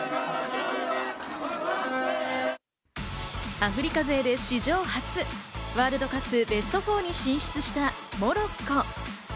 アフリカ勢で史上初、ワールドカップベスト４に進出したモロッコ。